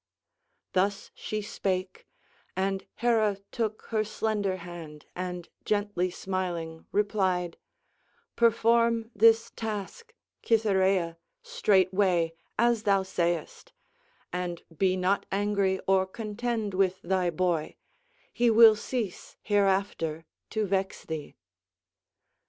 Thus she spake, and Hera took her slender hand and gently smiling, replied: "Perform this task, Cytherea, straightway, as thou sayest; and be not angry or contend with thy boy; he will cease hereafter to vex thee."